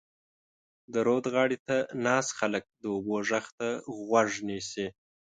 د رود غاړې ته ناست خلک د اوبو غږ ته غوږ نیسي.